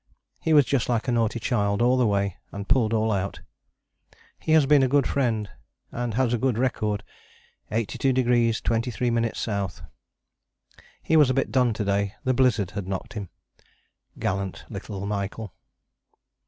He was just like a naughty child all the way, and pulled all out. He has been a good friend, and has a good record, 82° 23´ S. He was a bit done to day: the blizzard had knocked him. Gallant little Michael!"